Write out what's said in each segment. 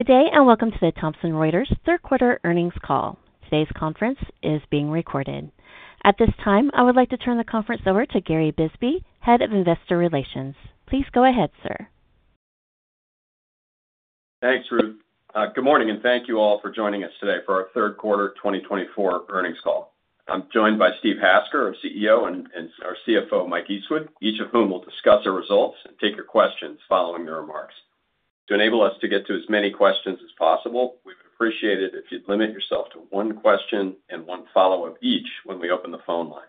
Good day and welcome to the Thomson Reuters third-quarter earnings call. Today's conference is being recorded. At this time, I would like to turn the conference over to Gary Bisbee, Head of Investor Relations. Please go ahead, sir. Thanks, Ruth. Good morning and thank you all for joining us today for our third quarter 2024 earnings call. I'm joined by Steve Hasker, our CEO, and our CFO, Mike Eastwood, each of whom will discuss our results and take your questions following their remarks. To enable us to get to as many questions as possible, we would appreciate it if you'd limit yourself to one question and one follow-up each when we open the phone lines.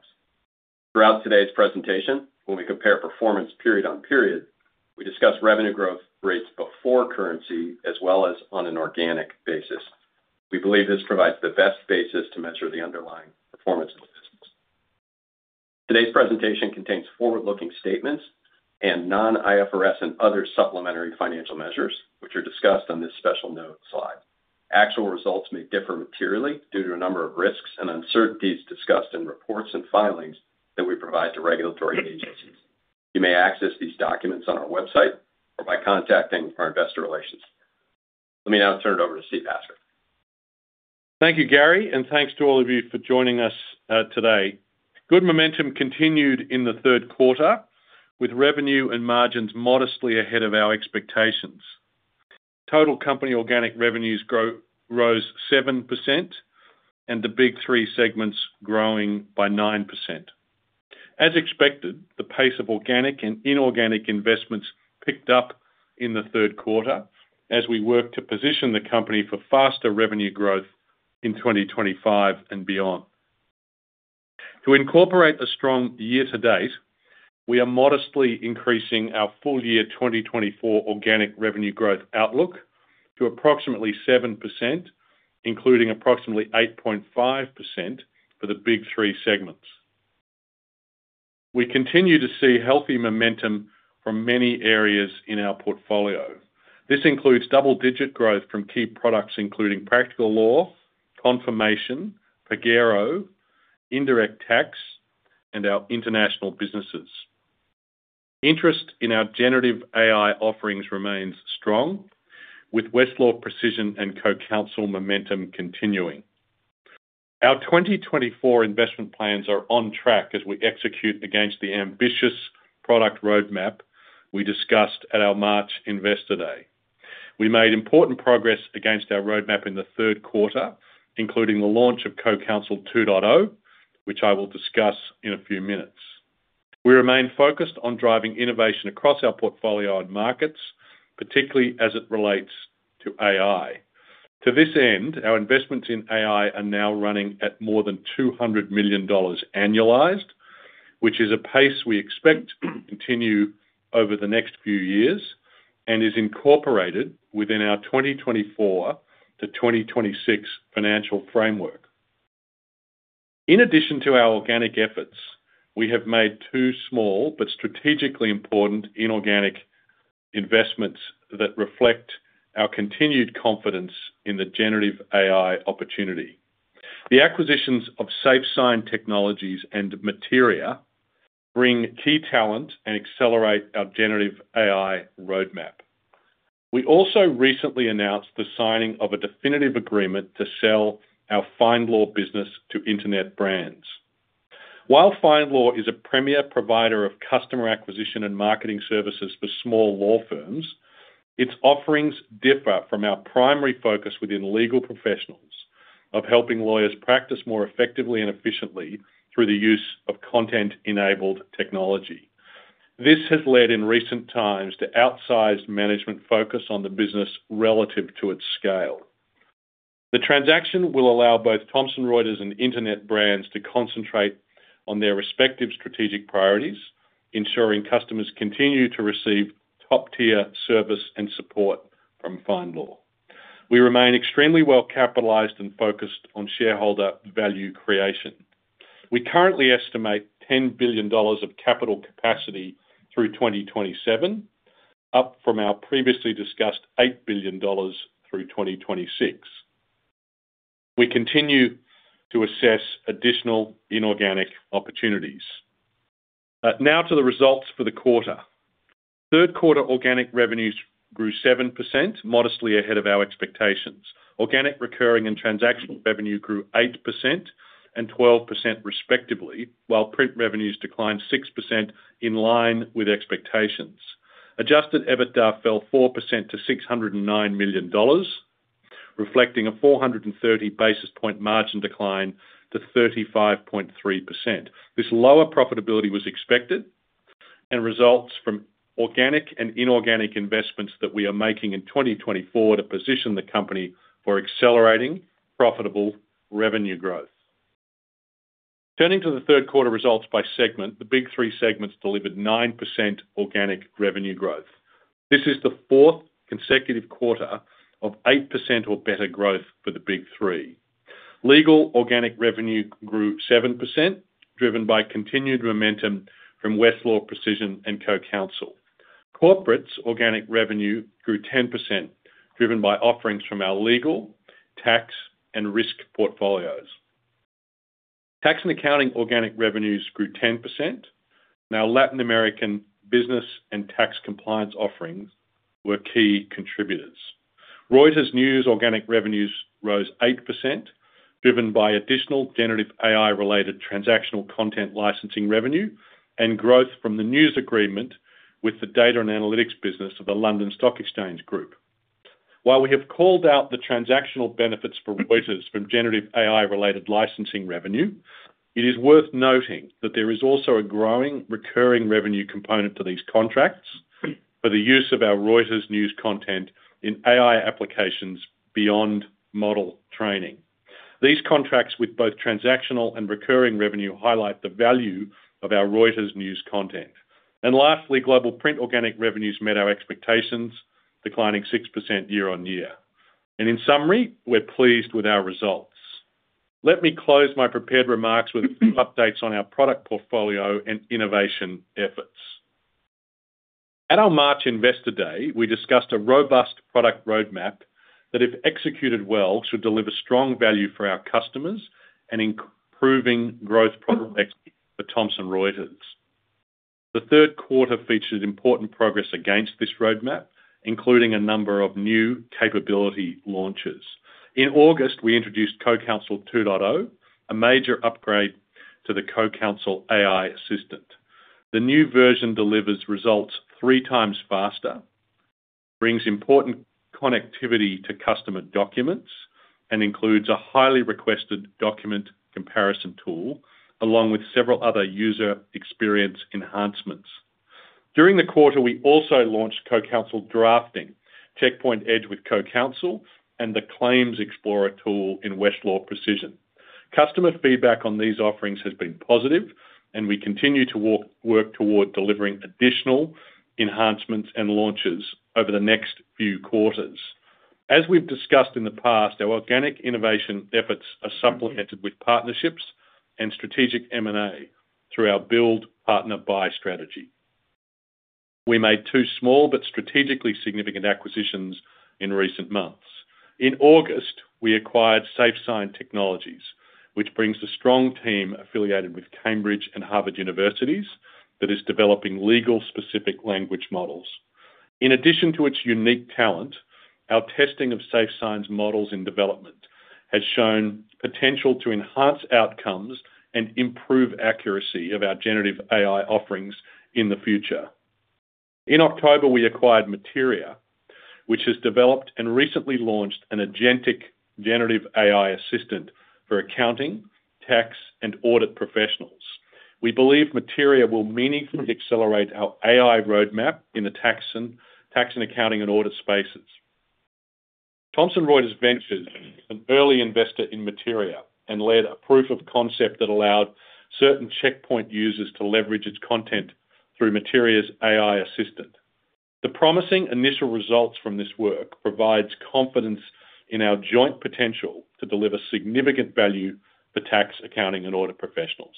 Throughout today's presentation, when we compare performance period on period, we discuss revenue growth rates before currency as well as on an organic basis. We believe this provides the best basis to measure the underlying performance of the business. Today's presentation contains forward-looking statements and non-IFRS and other supplementary financial measures, which are discussed on this special note slide. Actual results may differ materially due to a number of risks and uncertainties discussed in reports and filings that we provide to regulatory agencies. You may access these documents on our website or by contacting our investor relations. Let me now turn it over to Steve Hasker. Thank you, Gary, and thanks to all of you for joining us today. Good momentum continued in the third quarter with revenue and margins modestly ahead of our expectations. Total company organic revenues rose 7% and the Big Three segments growing by 9%. As expected, the pace of organic and inorganic investments picked up in the third quarter as we work to position the company for faster revenue growth in 2025 and beyond. To incorporate a strong year-to-date, we are modestly increasing our full-year 2024 organic revenue growth outlook to approximately 7%, including approximately 8.5% for the Big Three segments. We continue to see healthy momentum from many areas in our portfolio. This includes double-digit growth from key products including Practical Law, Confirmation, Pagero, Indirect Tax, and our international businesses. Interest in our generative AI offerings remains strong, with Westlaw Precision and CoCounsel momentum continuing. Our 2024 investment plans are on track as we execute against the ambitious product roadmap we discussed at our March Investor Day. We made important progress against our roadmap in the third quarter, including the launch of CoCounsel 2.0, which I will discuss in a few minutes. We remain focused on driving innovation across our portfolio and markets, particularly as it relates to AI. To this end, our investments in AI are now running at more than $200 million annualized, which is a pace we expect to continue over the next few years and is incorporated within our 2024 to 2026 financial framework. In addition to our organic efforts, we have made two small but strategically important inorganic investments that reflect our continued confidence in the generative AI opportunity. The acquisitions of SafeSign Technologies and Materia bring key talent and accelerate our generative AI roadmap. We also recently announced the signing of a definitive agreement to sell our FindLaw business to Internet Brands. While FindLaw is a premier provider of customer acquisition and marketing services for small aw firms, its offerings differ from our primary focus within Legal Professionals of helping lawyers practice more effectively and efficiently through the use of content-enabled technology. This has led in recent times to outsized management focus on the business relative to its scale. The transaction will allow both Thomson Reuters and Internet Brands to concentrate on their respective strategic priorities, ensuring customers continue to receive top-tier service and support from FindLaw. We remain extremely well-capitalized and focused on shareholder value creation. We currently estimate $10 billion of capital capacity through 2027, up from our previously discussed $8 billion through 2026. We continue to assess additional inorganic opportunities. Now to the results for the quarter. Third-quarter organic revenues grew 7%, modestly ahead of our expectations. Organic recurring and transactional revenue grew 8% and 12% respectively, while print revenues declined 6% in line with expectations. Adjusted EBITDA fell 4% to $609 million, reflecting a 430 basis point margin decline to 35.3%. This lower profitability was expected and results from organic and inorganic investments that we are making in 2024 to position the company for accelerating profitable revenue growth. Turning to the third-quarter results by segment, the big three segments delivered 9% organic revenue growth. This is the fourth consecutive quarter of 8% or better growth for the big three. Legal organic revenue grew 7%, driven by continued momentum from Westlaw Precision and CoCounsel. Corporate organic revenue grew 10%, driven by offerings from our legal, tax, and risk portfolios. Tax and accounting organic revenues grew 10%. Now, Latin American business and tax compliance offerings were key contributors. Reuters News organic revenues rose 8%, driven by additional generative AI-related transactional content licensing revenue and growth from the news agreement with the data and analytics business of the London Stock Exchange Group. While we have called out the transactional benefits for Reuters from generative AI-related licensing revenue, it is worth noting that there is also a growing recurring revenue component to these contracts for the use of our Reuters News content in AI applications beyond model training. These contracts with both transactional and recurring revenue highlight the value of our Reuters News content, and lastly, Global Print organic revenues met our expectations, declining 6% year on year, and in summary, we're pleased with our results. Let me close my prepared remarks with updates on our product portfolio and innovation efforts. At our March Investor Day, we discussed a robust product roadmap that, if executed well, should deliver strong value for our customers and improving growth prospects for Thomson Reuters. The third quarter featured important progress against this roadmap, including a number of new capability launches. In August, we introduced CoCounsel 2.0, a major upgrade to the CoCounsel AI Assistant. The new version delivers results three times faster, brings important connectivity to customer documents, and includes a highly requested document comparison tool along with several other user experience enhancements. During the quarter, we also launched CoCounsel Drafting, Checkpoint Edge with CoCounsel, and the Claims Explorer tool in Westlaw Precision. Customer feedback on these offerings has been positive, and we continue to work toward delivering additional enhancements and launches over the next few quarters. As we've discussed in the past, our organic innovation efforts are supplemented with partnerships and strategic M&A through our build-partner-buy strategy. We made two small but strategically significant acquisitions in recent months. In August, we acquired SafeSign Technologies, which brings a strong team affiliated with Cambridge and Harvard Universities that is developing legal-specific language models. In addition to its unique talent, our testing of SafeSign's models in development has shown potential to enhance outcomes and improve accuracy of our generative AI offerings in the future. In October, we acquired Materia, which has developed and recently launched an Agenticp lp generative AI assistant for accounting, tax, and audit professionals. We believe Materia will meaningfully accelerate our AI roadmap in the ax and accounting and audit spaces. Thomson Reuters Ventures was an early investor in Materia and led a proof of concept that allowed certain Checkpoint users to leverage its content through Materia's AI assistant. The promising initial results from this work provide confidence in our joint potential to deliver significant value for tax, accounting, and audit professionals.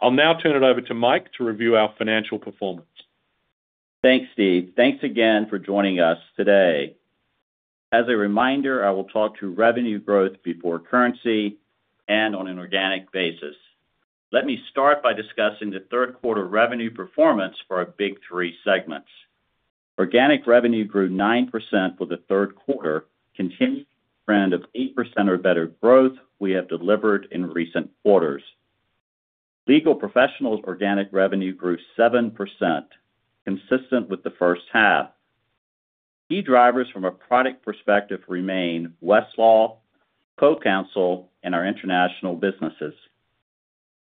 I'll now turn it over to Mike to review our financial performance. Thanks, Steve. Thanks again for joining us today. As a reminder, I will talk to revenue growth before currency and on an organic basis. Let me start by discussing the third-quarter revenue performance for our big three segments. Organic revenue grew 9% for the third quarter, continuing the trend of 8% or better growth we have delivered in recent quarters. Legal Professionals ' organic revenue grew 7%, consistent with the first half. Key drivers from a product perspective remain Westlaw, CoCounsel, and our international businesses.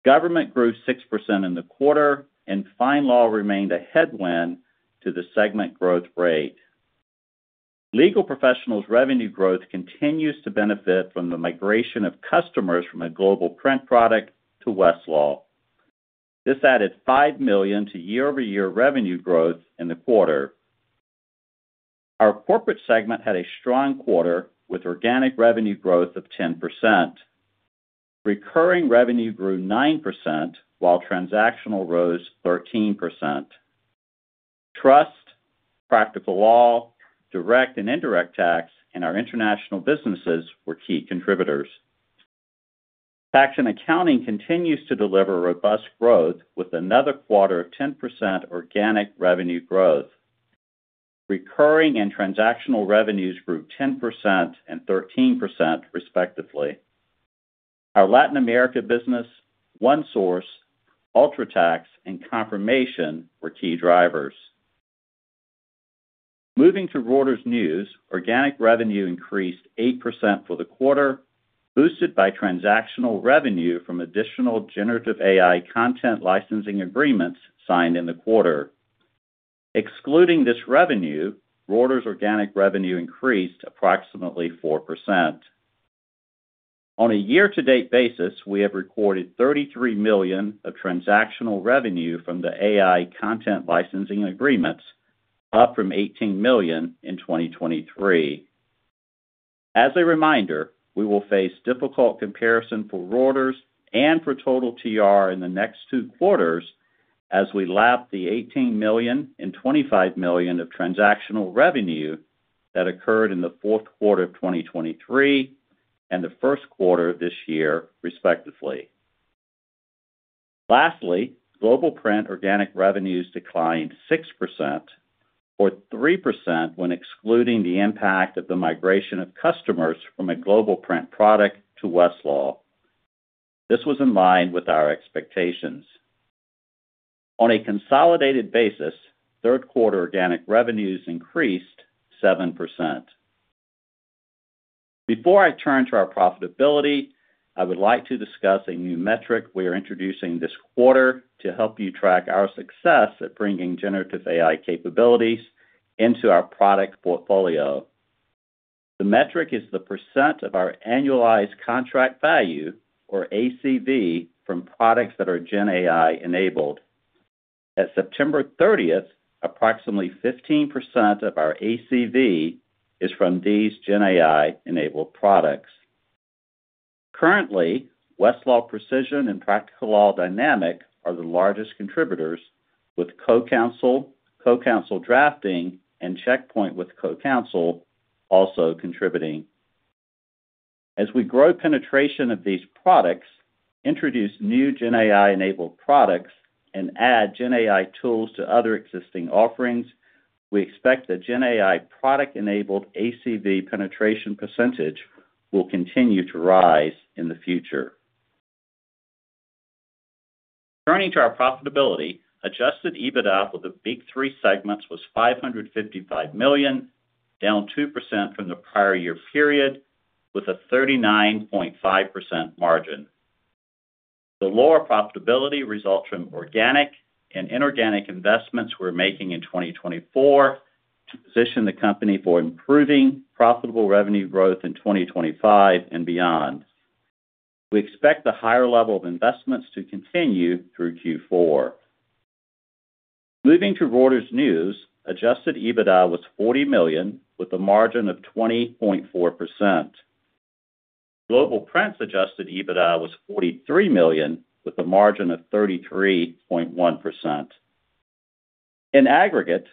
Government grew 6% in the quarter, and FindLaw remained a headwind to the segment growth rate. Legal Professionals ' revenue growth continues to benefit from the migration of customers from a Global Print product to Westlaw. This added $5 million to year-over-year revenue growth in the quarter. Our corporate segment had a strong quarter with organic revenue growth of 10%. Recurring revenue grew 9%, while transactional rose 13%. Trust, Practical Law, direct and Indirect Tax, and our international businesses were key contributors. Tax and accounting continues to deliver robust growth with another quarter of 10% organic revenue growth. Recurring and transactional revenues grew 10% and 13%, respectively. Our Latin America business, ONESOURCE, UltraTax, and Confirmation were key drivers. Moving to Reuters News, organic revenue increased 8% for the quarter, boosted by transactional revenue from additional generative AI content licensing agreements signed in the quarter. Excluding this revenue, Reuters organic revenue increased approximately 4%. On a year-to-date basis, we have recorded $33 million of transactional revenue from the AI content licensing agreements, up from $18 million in 2023. As a reminder, we will face difficult comparison for Reuters and for total TR in the next two quarters as we lap the $18 million and $25 million of transactional revenue that occurred in the fourth quarter of 2023 and the first quarter of this year, respectively. Lastly, Global Print organic revenues declined 6% or 3% when excluding the impact of the migration of customers from a Global Print product to Westlaw. This was in line with our expectations. On a consolidated basis, third-quarter organic revenues increased 7%. Before I turn to our profitability, I would like to discuss a new metric we are introducing this quarter to help you track our success at bringing generative AI capabilities into our product portfolio. The metric is the percent of our annualized contract value, or ACV, from products that are GenAI-enabled. At September 30th, approximately 15% of our ACV is from these GenAI-enabled products. Currently, Westlaw Precision and Practical Law Dynamic are the largest contributors, with CoCounsel, CoCounsel Drafting, and Checkpoint with CoCounsel also contributing. As we grow penetration of these products, introduce new GenAI-enabled products, and add GenAI tools to other existing offerings, we expect the GenAI product-enabled ACV penetration percentage will continue to rise in the future. Turning to our profitability, Adjusted EBITDA for the big three segments was $555 million, down 2% from the prior year period, with a 39.5% margin. The lower profitability results from organic and inorganic investments we're making in 2024 to position the company for improving profitable revenue growth in 2025 and beyond. We expect the higher level of investments to continue through Q4. Moving to Reuters News, Adjusted EBITDA was $40 million, with a margin of 20.4%. Global Print's adjusted EBITDA was $43 million, with a margin of 33.1%. In aggregate,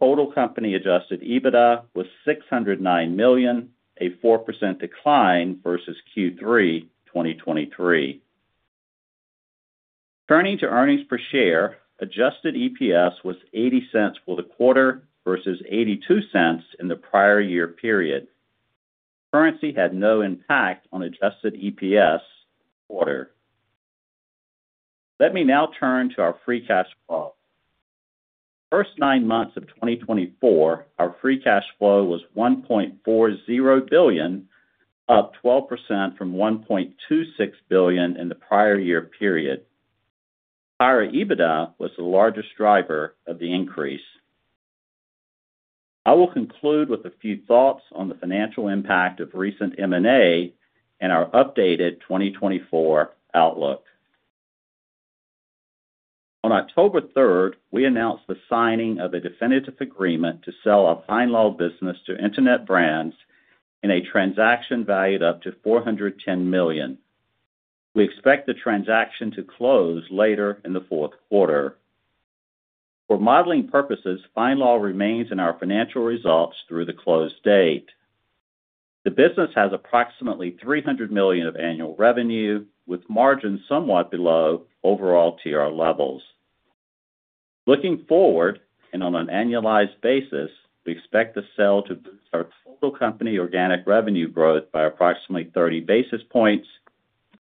total company adjusted EBITDA was $609 million, a 4% decline versus Q3 2023. Turning to earnings per share, adjusted EPS was $0.80 for the quarter versus $0.82 in the prior year period. Currency had no impact on adjusted EPS this quarter. Let me now turn to our free cash flow. The first nine months of 2024, our free cash flow was $1.40 billion, up 12% from $1.26 billion in the prior year period. Higher EBITDA was the largest driver of the increase. I will conclude with a few thoughts on the financial impact of recent M&A and our updated 2024 outlook. On October 3rd, we announced the signing of a definitive agreement to sell our FindLaw business to Internet Brands in a transaction valued up to $410 million. We expect the transaction to close later in the fourth quarter. For modeling purposes, FindLaw remains in our financial results through the close date. The business has approximately $300 million of annual revenue, with margins somewhat below overall TR levels. Looking forward and on an annualized basis, we expect the sale to boost our total company organic revenue growth by approximately 30 basis points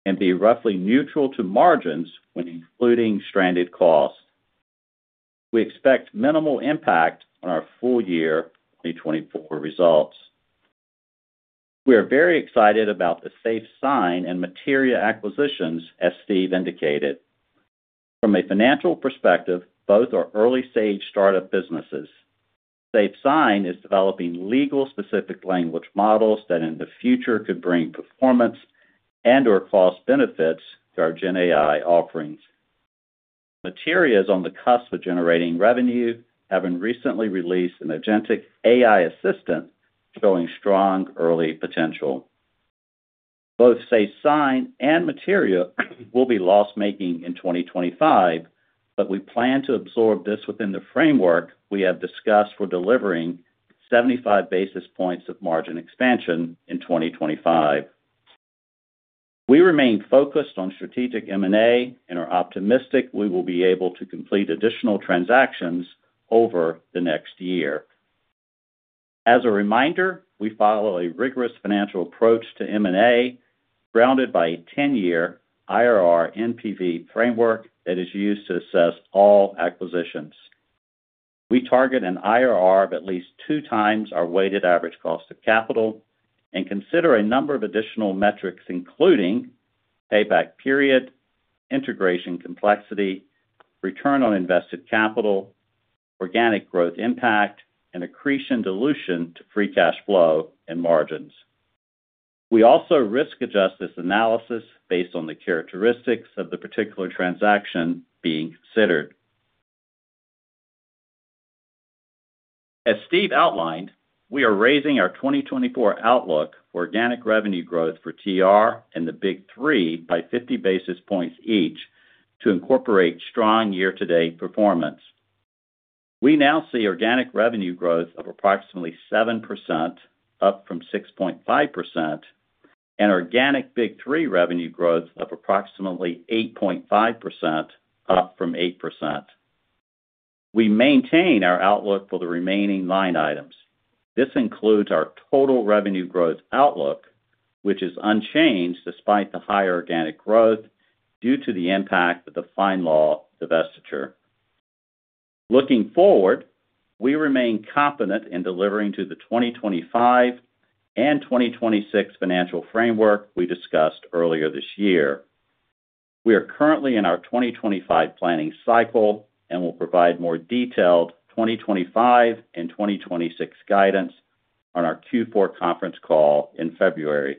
and be roughly neutral to margins when including stranded costs. We expect minimal impact on our full year 2024 results. We are very excited about the SafeSign and Materia acquisitions, as Steve indicated. From a financial perspective, both are early-stage startup businesses. SafeSign is developing legal-specific language models that, in the future, could bring performance and/or cost benefits to our GenAI offerings. Materia is on the cusp of generating revenue, having recently released an Agenticp lp AI assistant showing strong early potential. Both SafeSign and Materia will be loss-making in 2025, but we plan to absorb this within the framework we have discussed for delivering 75 basis points of margin expansion in 2025. We remain focused on strategic M&A and are optimistic we will be able to complete additional transactions over the next year. As a reminder, we follow a rigorous financial approach to M&A grounded by a 10-year IRR NPV framework that is used to assess all acquisitions. We target an IRR of at least two times our weighted average cost of capital and consider a number of additional metrics, including payback period, integration complexity, return on invested capital, organic growth impact, and accretion dilution to free cash flow and margins. We also risk-adjust this analysis based on the characteristics of the particular transaction being considered. As Steve outlined, we are raising our 2024 outlook for organic revenue growth for TR and the big three by 50 basis points each to incorporate strong year-to-date performance. We now see organic revenue growth of approximately 7%, up from 6.5%, and organic big three revenue growth of approximately 8.5%, up from 8%. We maintain our outlook for the remaining line items. This includes our total revenue growth outlook, which is unchanged despite the higher organic growth due to the impact of the FindLaw divestiture. Looking forward, we remain confident in delivering to the 2025 and 2026 financial framework we discussed earlier this year. We are currently in our 2025 planning cycle and will provide more detailed 2025 and 2026 guidance on our Q4 conference call in February.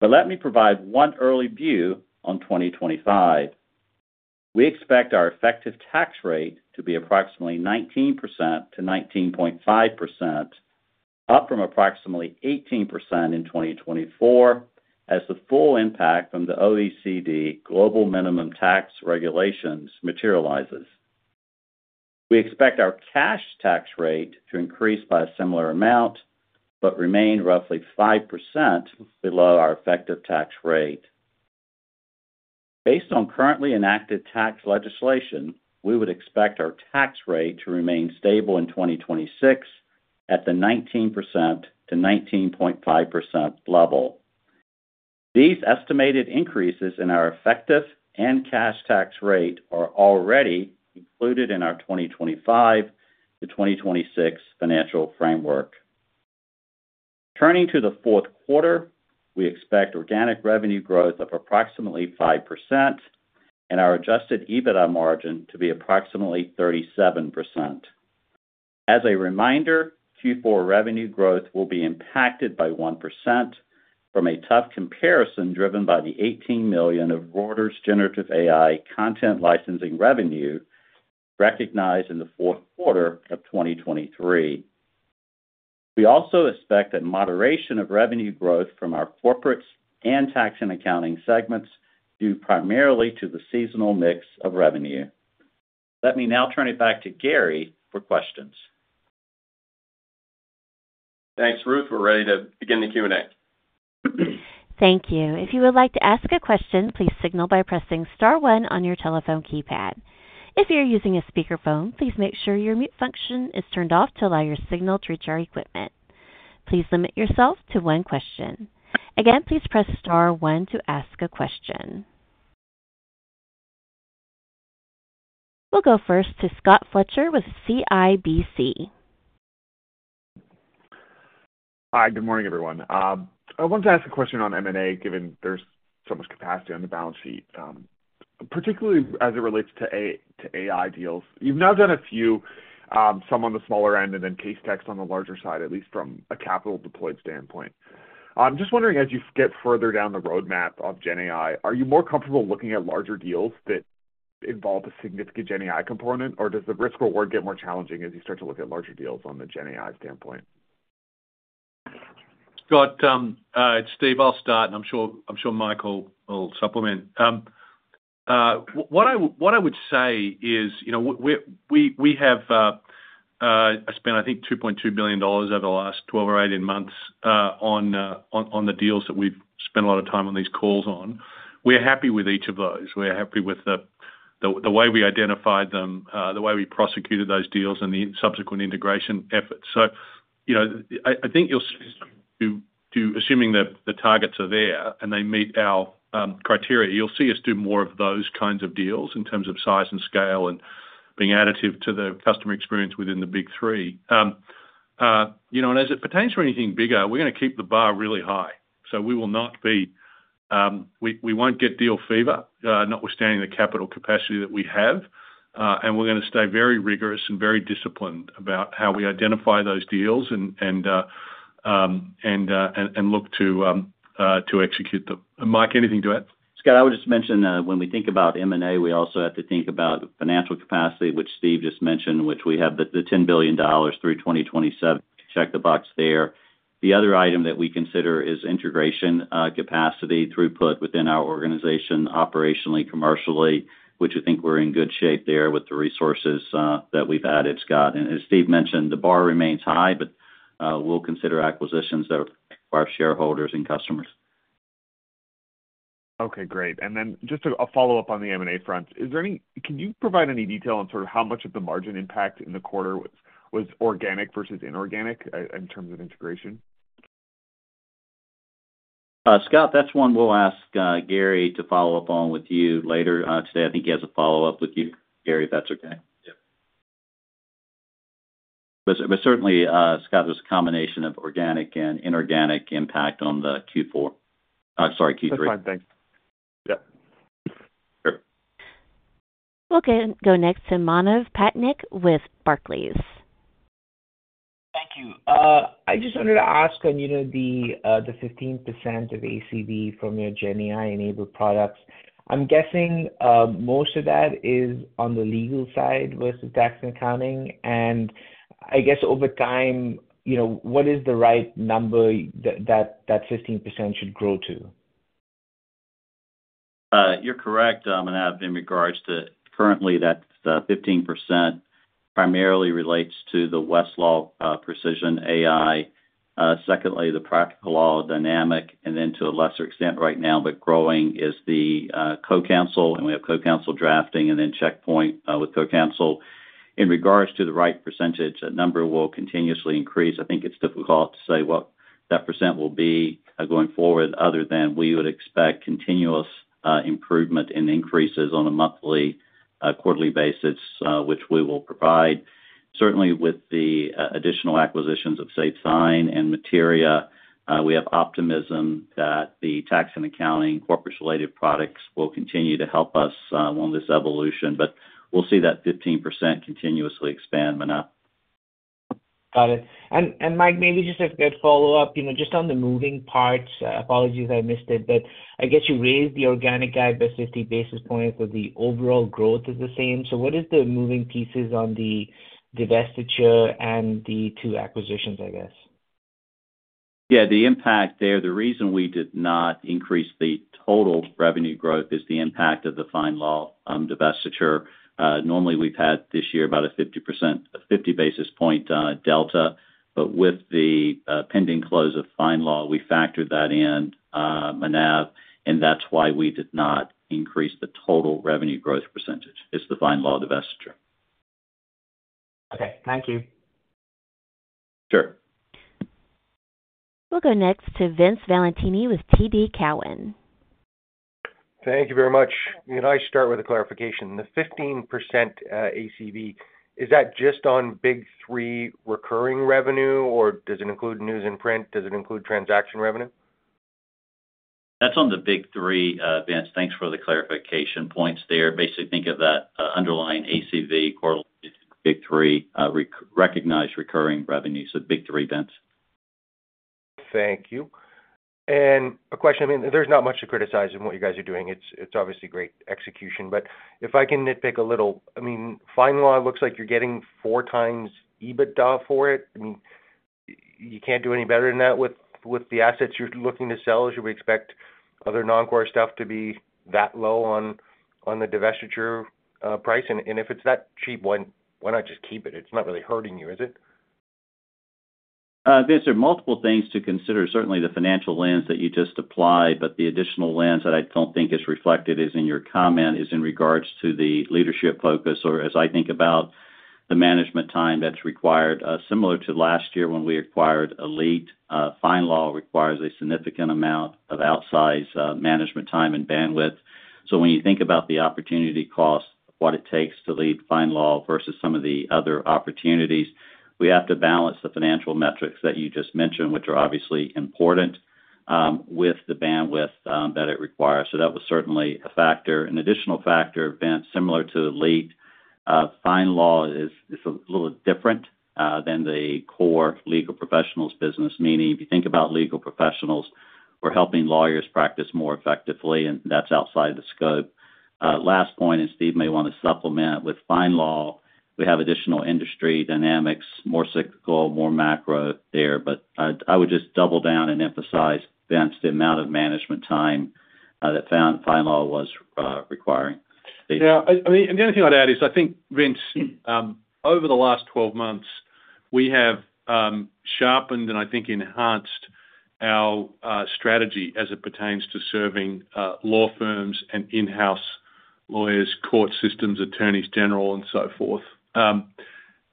But let me provide one early view on 2025. We expect our effective tax rate to be approximately 19%-19.5%, up from approximately 18% in 2024 as the full impact from the OECD Global Minimum Tax Regulations materializes. We expect our cash tax rate to increase by a similar amount but remain roughly 5% below our effective tax rate. Based on currently enacted tax legislation, we would expect our tax rate to remain stable in 2026 at the 19%-19.5% level. These estimated increases in our effective and cash tax rate are already included in our 2025 to 2026 financial framework. Turning to the fourth quarter, we expect organic revenue growth of approximately 5% and our Adjusted EBITDA margin to be approximately 37%. As a reminder, Q4 revenue growth will be impacted by 1% from a tough comparison driven by the $18 million of Reuters Generative AI content licensing revenue recognized in the fourth quarter of 2023. We also expect that moderation of revenue growth from our corporate and ax and accounting segments, due primarily to the seasonal mix of revenue. Let me now turn it back to Gary for questions. Thanks, Ruth. We're ready to begin the Q&A. Thank you. If you would like to ask a question, please signal by pressing Star one on your telephone keypad. If you're using a speakerphone, please make sure your mute function is turned off to allow your signal to reach our equipment. Please limit yourself to one question. Again, please press Star to ask a question. We'll go first to Scott Fletcher with CIBC. Hi, good morning, everyone. I wanted to ask a question on M&A given there's so much capacity on the balance sheet, particularly as it relates to AI deals. You've now done a few, some on the smaller end and then Casetext on the larger side, at least from a capital deployed standpoint. I'm just wondering, as you get further down the roadmap of GenAI, are you more comfortable looking at larger deals that involve a significant GenAI component, or does the risk-reward get more challenging as you start to look at larger deals on the GenAI standpoint? Scott, it's Steve Hasker, and I'm sure Mike will supplement. What I would say is we have spent, I think, $2.2 billion over the last 12 or 18 months on the deals that we've spent a lot of time on these calls on. We're happy with each of those. We're happy with the way we identified them, the way we prosecuted those deals, and the subsequent integration efforts, so I think you'll see us do, assuming that the targets are there and they meet our criteria, you'll see us do more of those kinds of deals in terms of size and scale and being additive to the customer experience within the big three, and as it pertains to anything bigger, we're going to keep the bar really high, so we will not be, we won't get deal fever, notwithstanding the capital capacity that we have. We're going to stay very rigorous and very disciplined about how we identify those deals and look to execute them. Mike, anything to add? Scott, I would just mention when we think about M&A, we also have to think about financial capacity, which Steve just mentioned, which we have, the $10 billion through 2027. Check the box there. The other item that we consider is integration capacity, throughput within our organization, operationally, commercially, which we think we're in good shape there with the resources that we've added, Scott. And as Steve mentioned, the bar remains high, but we'll consider acquisitions that are for our shareholders and customers. Okay, great. And then just a follow-up on the M&A front, can you provide any detail on sort of how much of the margin impact in the quarter was organic versus inorganic in terms of integration? Scott, that's one we'll ask Gary to follow up on with you later today. I think he has a follow-up with you, Gary, if that's okay. But certainly, Scott, there's a combination of organic and inorganic impact on the Q4, sorry, Q3. That's fine. Thanks. Yep. We'll go next to Manav Patnaik with Barclays. Thank you. I just wanted to ask on the 15% of ACV from your GenAI-enabled products. I'm guessing most of that is on the legal side versus tax and accounting. And I guess over time, what is the right number that 15% should grow to? You're correct, Manav, in regards to currently, that 15% primarily relates to the Westlaw Precision AI, secondly, the Practical Law Dynamic, and then to a lesser extent right now, but growing, is the CoCounsel. We have CoCounsel Drafting and then Checkpoint with CoCounsel. In regards to the right percentage, that number will continuously increase. I think it's difficult to say what that % will be going forward other than we would expect continuous improvement and increases on a monthly, quarterly basis, which we will provide. Certainly, with the additional acquisitions of SafeSign and Materia, we have optimism that the tax and accounting corporate-related products will continue to help us along this evolution. We'll see that 15% continuously expand, Manav. Got it. And Mike, maybe just a good follow-up, just on the moving parts. Apologies I missed it, but I guess you raised the organic growth by 50 basis points, but the overall growth is the same. So what are the moving pieces on the divestiture and the two acquisitions, I guess? Yeah, the impact there, the reason we did not increase the total revenue growth is the impact of the FindLaw divestiture. Normally, we've had this year about a 50 basis point delta. But with the pending close of FindLaw, we factored that in, Manav, and that's why we did not increase the total revenue growth percentage. It's the FindLaw divestiture. Okay. Thank you. Sure. We'll go next to Vince Valentini with TD Cowen. Thank you very much. Can I start with a clarification? The 15% ACV, is that just on big three recurring revenue, or does it include news and print? Does it include transaction revenue? That's on the big three, Vince. Thanks for the clarification points there. Basically, think of that underlying ACV correlated to the big three recognized recurring revenue. So big three events. Thank you, and a question. I mean, there's not much to criticize in what you guys are doing. It's obviously great execution, but if I can nitpick a little, I mean, FindLaw looks like you're getting four times EBITDA for it. I mean, you can't do any better than that with the assets you're looking to sell. Should we expect other non-core stuff to be that low on the divestiture price, and if it's that cheap, why not just keep it? It's not really hurting you, is it? Vince, there are multiple things to consider. Certainly, the financial lens that you just applied, but the additional lens that I don't think is reflected in your comment is in regards to the leadership focus or as I think about the management time that's required. Similar to last year when we acquired Elite, FindLaw requires a significant amount of outsized management time and bandwidth. So when you think about the opportunity cost, what it takes to lead FindLaw versus some of the other opportunities, we have to balance the financial metrics that you just mentioned, which are obviously important with the bandwidth that it requires. So that was certainly a factor. An additional factor, Vince, similar to Elite, FindLaw is a little different than the core Legal Professionals business, meaning if you think about Legal Professionals, we're helping lawyers practice more effectively, and that's outside the scope. Last point, and Steve may want to supplement with FindLaw, we have additional industry dynamics, more cyclical, more macro there. But I would just double down and emphasize, Vince, the amount of management time that FindLaw was requiring. Yeah. And the only thing I'd add is I think, Vince, over the last 12 months, we have sharpened and I think enhanced our strategy as it pertains to serving law firms and in-house lawyers, court systems, attorneys general, and so forth. And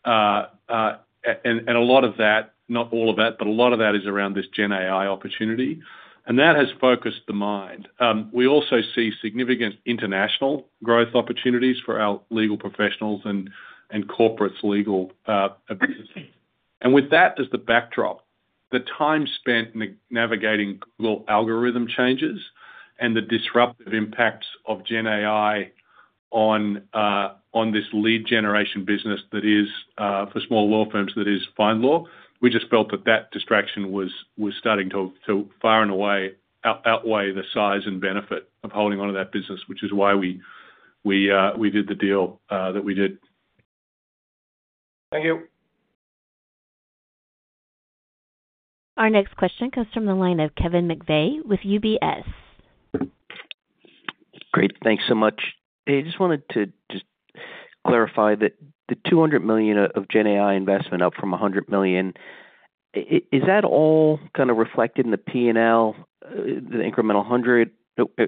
a lot of that, not all of that, but a lot of that is around this GenAI opportunity. And that has focused the mind. We also see significant international growth opportunities for our Legal Professionals and corporate legal business. And with that as the backdrop, the time spent navigating Google algorithm changes and the disruptive impacts of GenAI on this lead generation business for Small Law firms that is FindLaw, we just felt that that distraction was starting to far and away outweigh the size and benefit of holding on to that business, which is why we did the deal that we did. Thank you. Our next question comes from the line of Kevin McVey with UBS. Great. Thanks so much. I just wanted to just clarify that the $200 million of GenAI investment up from $100 million, is that all kind of reflected in the P&L, the incremental $100 million?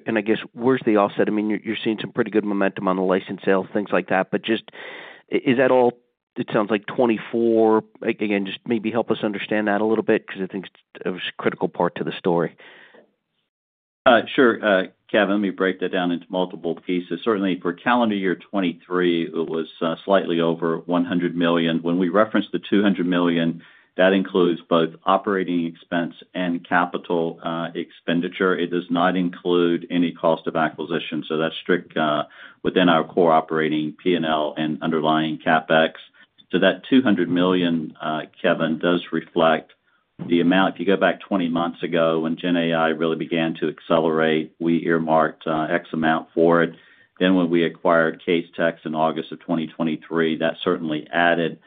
And I guess, where's the offset? I mean, you're seeing some pretty good momentum on the license sales, things like that. But just, is that all, it sounds like, 2024? Again, just maybe help us understand that a little bit because I think it's a critical part to the story. Sure. Kevin, let me break that down into multiple pieces. Certainly, for calendar year 2023, it was slightly over $100 million. When we reference the $200 million, that includes both operating expense and capital expenditure. It does not include any cost of acquisition. So that's strict within our core operating P&L and underlying CapEx. So that $200 million, Kevin, does reflect the amount. If you go back 20 months ago when GenAI really began to accelerate, we earmarked X amount for it. Then when we acquired Casetext in August of 2023, that certainly added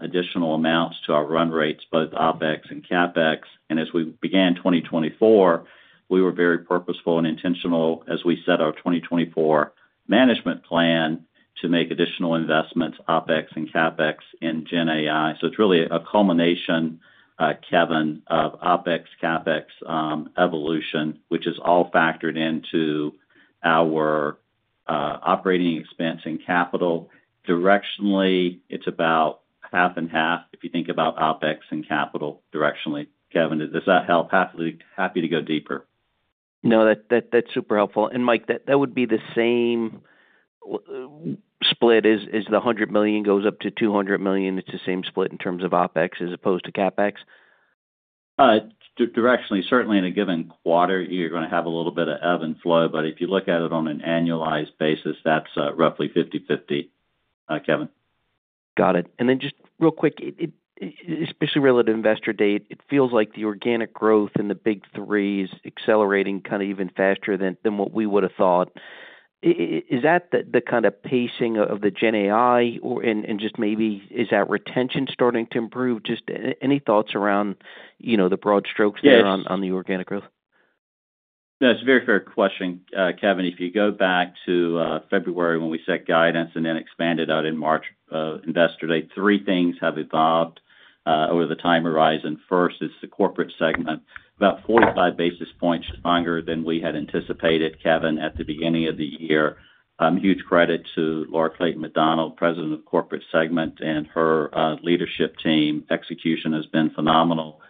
additional amounts to our run rates, both OpEx and CapEx. And as we began 2024, we were very purposeful and intentional as we set our 2024 management plan to make additional investments, OpEx and CapEx in GenAI. So it's really a culmination, Kevin, of OpEx, CapEx evolution, which is all factored into our operating expense and capital. Directionally, it's about half and half if you think about OpEx and capital directionally. Kevin, does that help? Happy to go deeper. No, that's super helpful. And Mike, that would be the same split as the $100 million goes up to $200 million. It's the same split in terms of OpEx as opposed to CapEx? Directionally, certainly in a given quarter, you're going to have a little bit of ebb and flow. But if you look at it on an annualized basis, that's roughly 50/50, Kevin. Got it. And then just real quick, especially relative to investor day, it feels like the organic growth in the big three is accelerating kind of even faster than what we would have thought. Is that the kind of pacing of the GenAI? And just maybe, is that retention starting to improve? Just any thoughts around the broad strokes there on the organic growth? That's a very fair question, Kevin. If you go back to February when we set guidance and then expanded out in March investor date, three things have evolved over the time horizon. First is the corporate segment, about 45 basis points stronger than we had anticipated, Kevin, at the beginning of the year. Huge credit to Laura Clayton McDonnell, President of the Corporate Segment, and her leadership team. Execution has been phenomenal.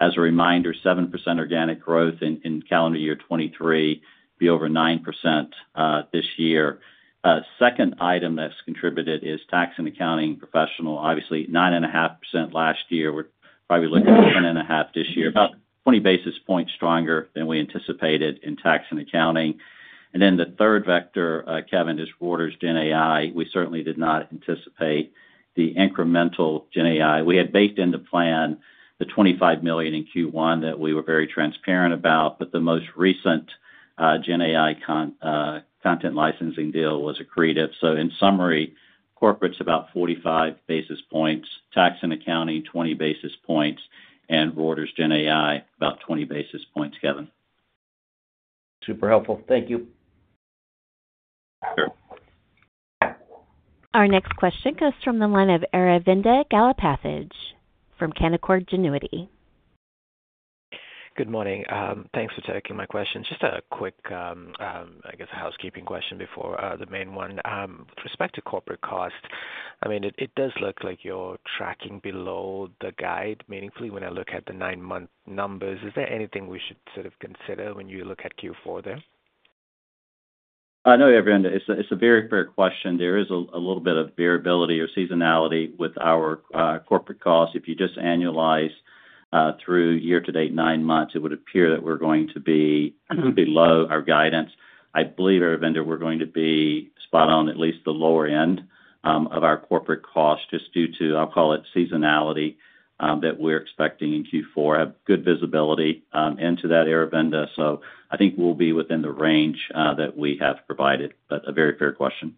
As a reminder, 7% organic growth in calendar year 2023, be over 9% this year. Second item that's contributed is Tax and Accounting professional. Obviously, 9.5% last year. We're probably looking at 10.5% this year, about 20 basis points stronger than we had anticipated in Tax and Accounting. And then the third vector, Kevin, is Reuters GenAI. We certainly did not anticipate the incremental GenAI. We had baked in the plan the $25 million in Q1 that we were very transparent about, but the most recent GenAI content licensing deal was accretive, so in summary, corporate's about 45 basis points, Tax and Accounting 20 basis points, and Reuters GenAI about 20 basis points, Kevin. Super helpful. Thank you. Sure. Our next question comes from the line of Aravinda Galappatthige from Canaccord Genuity. Good morning. Thanks for taking my question. Just a quick, I guess, housekeeping question before the main one. With respect to corporate cost, I mean, it does look like you're tracking below the guide meaningfully when I look at the nine-month numbers. Is there anything we should sort of consider when you look at Q4 there? No, Aravinda, it's a very fair question. There is a little bit of variability or seasonality with our corporate cost. If you just annualize through year to date, nine months, it would appear that we're going to be below our guidance. I believe, Aravinda, we're going to be spot on at least the lower end of our corporate cost just due to, I'll call it, seasonality that we're expecting in Q4. Have good visibility into that, Aravinda. So I think we'll be within the range that we have provided. But a very fair question.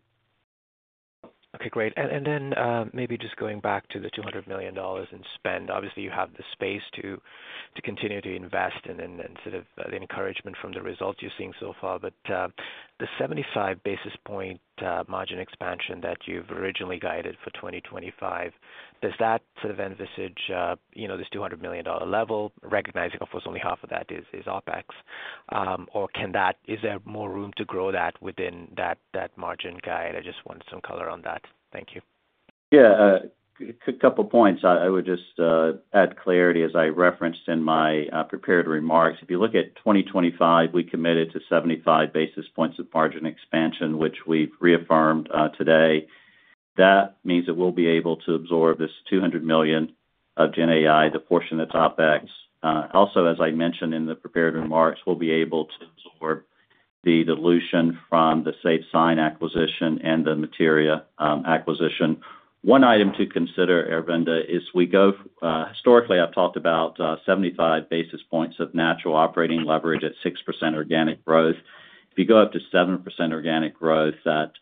Okay. Great, and then maybe just going back to the $200 million in spend, obviously, you have the space to continue to invest and then sort of the encouragement from the results you're seeing so far. But the 75 basis points margin expansion that you've originally guided for 2025, does that sort of envisage this $200 million level, recognizing of course only half of that is OpEx? Or is there more room to grow that within that margin guide? I just want some color on that. Thank you. Yeah. A couple of points. I would just add clarity as I referenced in my prepared remarks. If you look at 2025, we committed to 75 basis points of margin expansion, which we've reaffirmed today. That means that we'll be able to absorb this $200 million of GenAI, the portion that's OpEx. Also, as I mentioned in the prepared remarks, we'll be able to absorb the dilution from the SafeSign acquisition and the Materia acquisition. One item to consider, Aravinda, is as we go historically, I've talked about 75 basis points of natural operating leverage at 6% organic growth. If you go up to 7% organic growth, that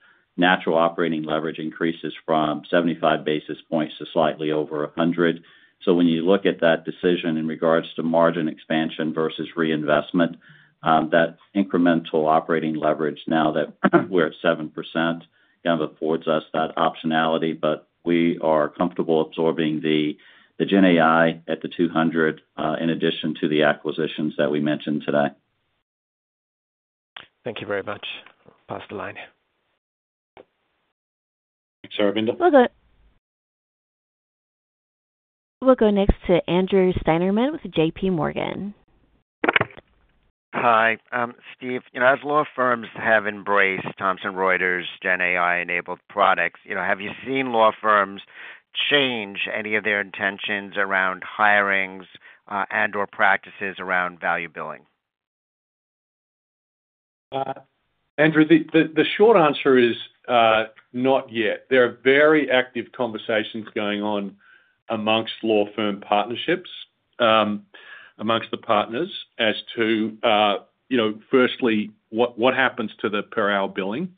natural operating leverage increases from 75 basis points to slightly over 100. So when you look at that decision in regards to margin expansion versus reinvestment, that incremental operating leverage now that we're at 7% kind of affords us that optionality, but we are comfortable absorbing the GenAI at the 200 in addition to the acquisitions that we mentioned today. Thank you very much. Pass the line. Thanks, Aravinda. We'll go next to Andrew Steinerman with J.P. Morgan. Hi. Steve, as law firms have embraced Thomson Reuters GenAI-enabled products, have you seen law firms change any of their intentions around hirings and/or practices around value billing? Andrew, the short answer is not yet. There are very active conversations going on among law firm partnerships, among the partners, as to, firstly, what happens to the per hour billing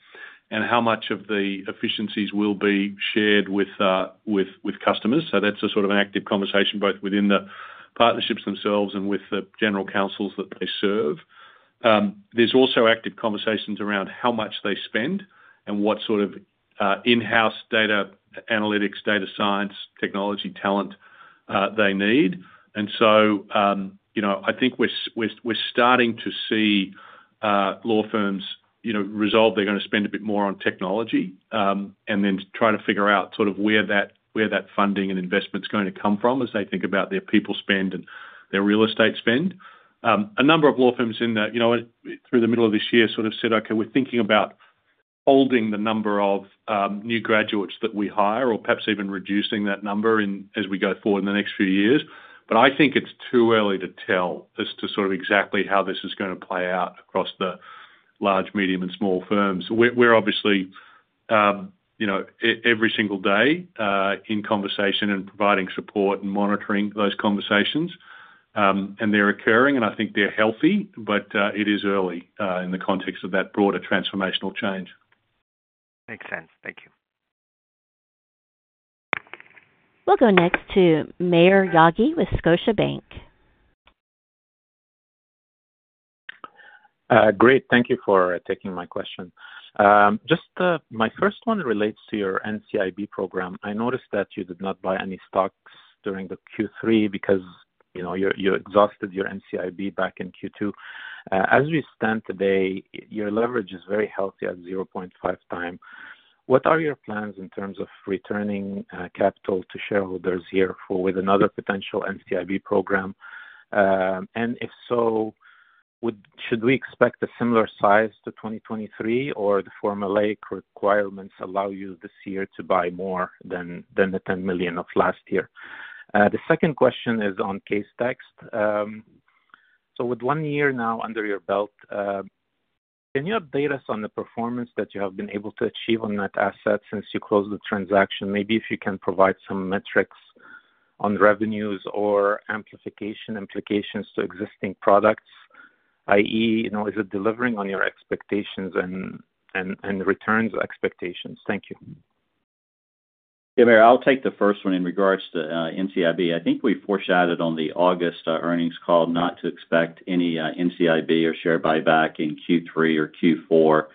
and how much of the efficiencies will be shared with customers, so that's a sort of active conversation both within the partnerships themselves and with the general counsels that they serve. There's also active conversations around how much they spend and what sort of in-house data, analytics, data science, technology talent they need, and so I think we're starting to see law firms resolve they're going to spend a bit more on technology and then try to figure out sort of where that funding and investment's going to come from as they think about their people spend and their real estate spend. A number of law firms through the middle of this year sort of said, "Okay, we're thinking about holding the number of new graduates that we hire or perhaps even reducing that number as we go forward in the next few years." But I think it's too early to tell as to sort of exactly how this is going to play out across the large, medium, and small firms. We're obviously every single day in conversation and providing support and monitoring those conversations. And they're occurring, and I think they're healthy, but it is early in the context of that broader transformational change. Makes sense. Thank you. We'll go next to Maher Yaghi with Scotiabank. Great. Thank you for taking my question. Just my first one relates to your NCIB program. I noticed that you did not buy any stocks during the Q3 because you exhausted your NCIB back in Q2. As we stand today, your leverage is very healthy at 0.5 time. What are your plans in terms of returning capital to shareholders here with another potential NCIB program? And if so, should we expect a similar size to 2023, or the formal requirements allow you this year to buy more than the 10 million of last year? The second question is on Casetext. So with one year now under your belt, can you update us on the performance that you have been able to achieve on that asset since you closed the transaction? Maybe if you can provide some metrics on revenues or amplification implications to existing products, i.e., is it delivering on your expectations and returns expectations? Thank you. Yeah, Maher, I'll take the first one in regards to NCIB. I think we foreshadowed on the August earnings call not to expect any NCIB or share buyback in Q3 or Q4.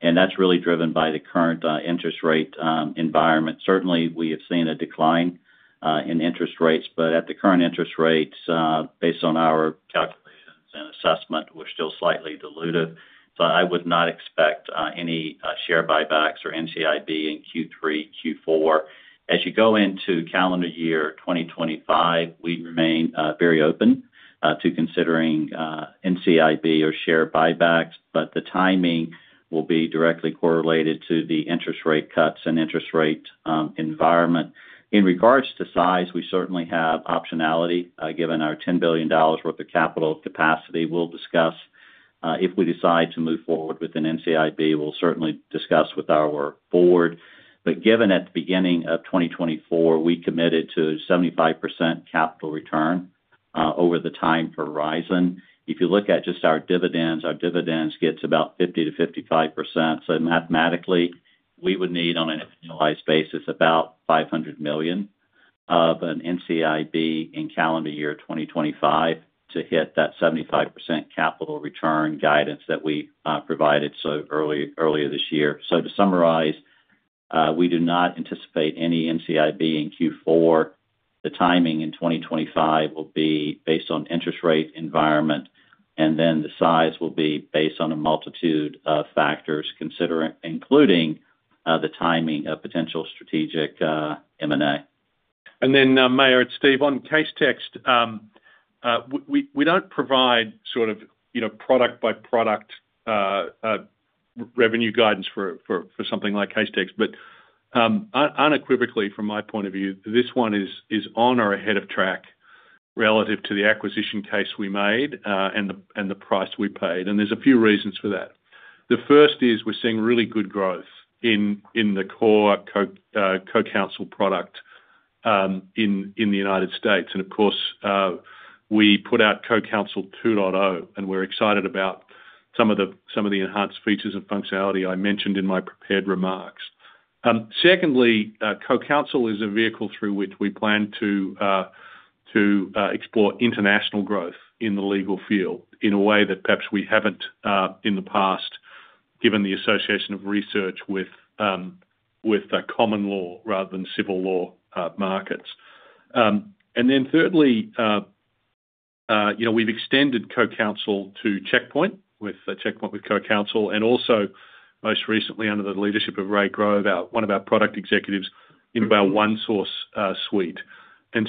And that's really driven by the current interest rate environment. Certainly, we have seen a decline in interest rates, but at the current interest rates, based on our calculations and assessment, we're still slightly diluted. So I would not expect any share buybacks or NCIB in Q3, Q4. As you go into calendar year 2025, we remain very open to considering NCIB or share buybacks, but the timing will be directly correlated to the interest rate cuts and interest rate environment. In regards to size, we certainly have optionality given our $10 billion worth of capital capacity. We'll discuss if we decide to move forward with an NCIB. We'll certainly discuss with our board. Given at the beginning of 2024, we committed to 75% capital return over the time horizon. If you look at just our dividends, our dividends get about 50%-55%. So mathematically, we would need on an annualized basis about $500 million of an NCIB in calendar year 2025 to hit that 75% capital return guidance that we provided so earlier this year. So to summarize, we do not anticipate any NCIB in Q4. The timing in 2025 will be based on interest rate environment, and then the size will be based on a multitude of factors considering, including the timing of potential strategic M&A. Then, Maher and Steve, on Casetext, we don't provide sort of product-by-product revenue guidance for something like Casetext, but unequivocally, from my point of view, this one is on or ahead of track relative to the acquisition case we made and the price we paid. And there's a few reasons for that. The first is we're seeing really good growth in the core CoCounsel product in the United States. And of course, we put out CoCounsel 2.0, and we're excited about some of the enhanced features and functionality I mentioned in my prepared remarks. Secondly, CoCounsel is a vehicle through which we plan to explore international growth in the legal field in a way that perhaps we haven't in the past, given the association of research with common law rather than civil law markets. Then thirdly, we've extended CoCounsel to Checkpoint with CoCounsel and also, most recently, under the leadership of Ray Grove, one of our product executives in about ONESOURCE suite.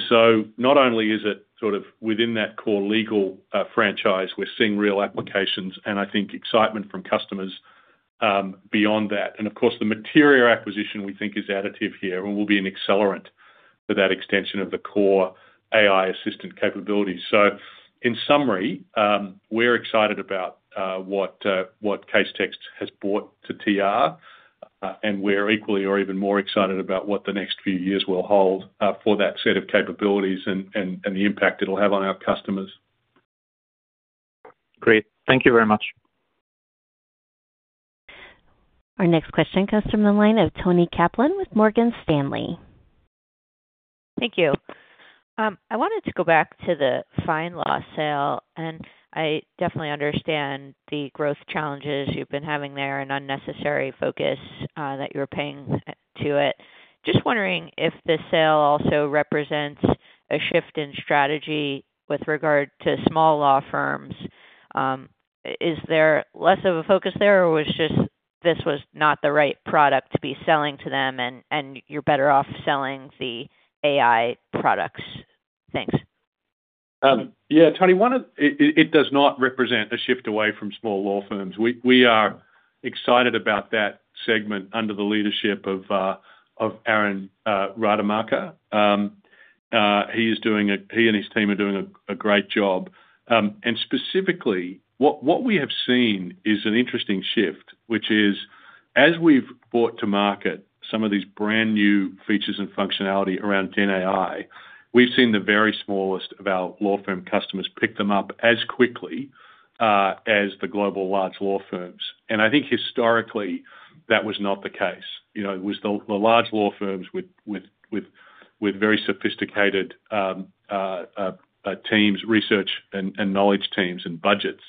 So not only is it sort of within that core legal franchise, we're seeing real applications and I think excitement from customers beyond that. And of course, the Materia acquisition we think is additive here and will be an accelerant for that extension of the core AI assistant capabilities. In summary, we're excited about what Casetext has brought to TR, and we're equally or even more excited about what the next few years will hold for that set of capabilities and the impact it'll have on our customers. Great. Thank you very much. Our next question comes from the line of Toni Kaplan with Morgan Stanley. Thank you. I wanted to go back to the FindLaw sale, and I definitely understand the growth challenges you've been having there and unnecessary focus that you're paying to it. Just wondering if this sale also represents a shift in strategy with regard to small law firms. Is there less of a focus there, or was just this was not the right product to be selling to them, and you're better off selling the AI products? Thanks. Yeah, Tony, it does not represent a shift away from small law firms. We are excited about that segment under the leadership of Aaron Rademacher. He and his team are doing a great job, and specifically, what we have seen is an interesting shift, which is as we've brought to market some of these brand new features and functionality around GenAI, we've seen the very smallest of our law firm customers pick them up as quickly as the global large law firms, and I think historically, that was not the case. It was the large law firms with very sophisticated teams, research and knowledge teams and budgets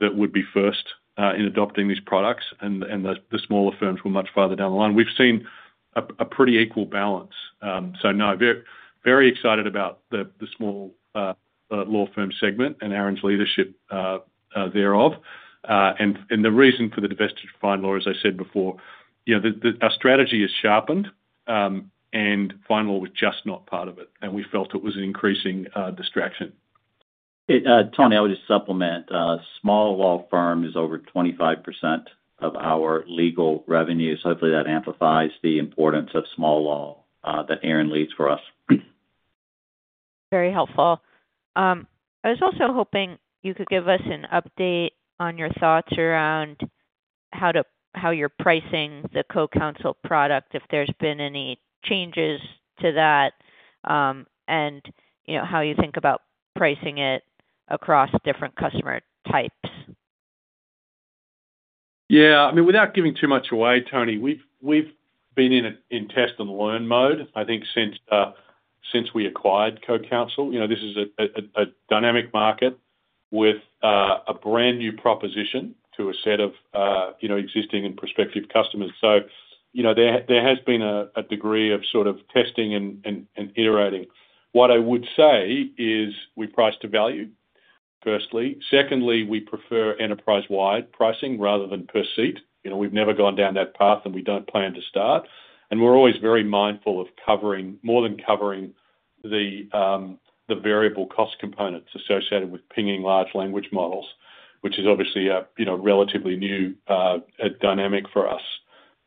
that would be first in adopting these products, and the smaller firms were much farther down the line. We've seen a pretty equal balance, so no, very excited about the small law firm segment and Aaron's leadership thereof. The reason for the divestiture of FindLaw, as I said before, our strategy is sharpened, and FindLaw was just not part of it, and we felt it was an increasing distraction. Tony, I would just supplement. Small law firm is over 25% of our legal revenues. Hopefully, that amplifies the importance of small law that Aaron leads for us. Very helpful. I was also hoping you could give us an update on your thoughts around how you're pricing the CoCounsel product, if there's been any changes to that, and how you think about pricing it across different customer types. Yeah. I mean, without giving too much away, Tony, we've been in test and learn mode, I think, since we acquired CoCounsel. This is a dynamic market with a brand new proposition to a set of existing and prospective customers. So there has been a degree of sort of testing and iterating. What I would say is we price to value, firstly. Secondly, we prefer enterprise-wide pricing rather than per seat. We've never gone down that path, and we don't plan to start. We're always very mindful of covering more than covering the variable cost components associated with pinging large language models, which is obviously a relatively new dynamic for us.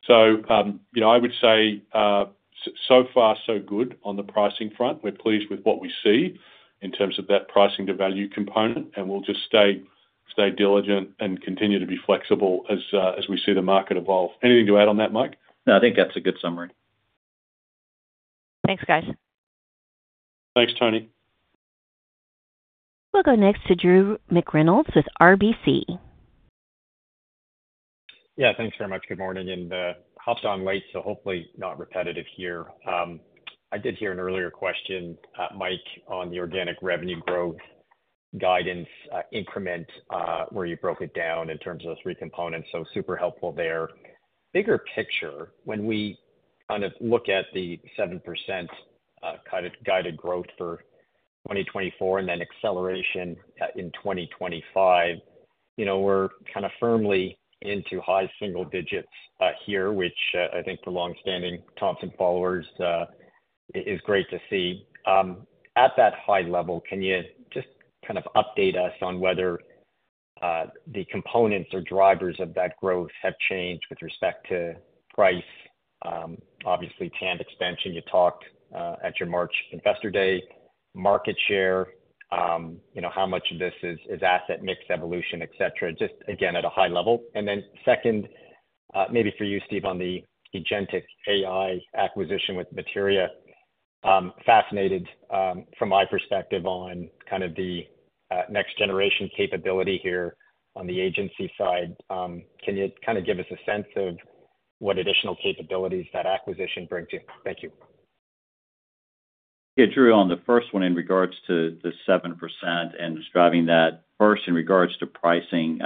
So I would say so far, so good on the pricing front. We're pleased with what we see in terms of that pricing-to-value component, and we'll just stay diligent and continue to be flexible as we see the market evolve. Anything to add on that, Mike? No, I think that's a good summary. Thanks, guys. Thanks, Tony. We'll go next to Drew McReynolds with RBC. Yeah, thanks very much. Good morning, and hopped on late, so hopefully not repetitive here. I did hear an earlier question, Mike, on the organic revenue growth guidance increment where you broke it down in terms of those three components. So super helpful there. Bigger picture, when we kind of look at the 7% guided growth for 2024 and then acceleration in 2025, we're kind of firmly into high single digits here, which I think for long-standing Thomson followers is great to see. At that high level, can you just kind of update us on whether the components or drivers of that growth have changed with respect to price? Obviously, T&A expansion you talked at your March Investor Day, market share, how much of this is asset mix evolution, etc., just again at a high level. And then second, maybe for you, Steve, on the Agenticp lp AI acquisition with Materia, fascinated from my perspective on kind of the next-generation capability here on the agency side. Can you kind of give us a sense of what additional capabilities that acquisition brings you? Thank you. Yeah, Drew, on the first one in regards to the 7% and describing that first in regards to pricing,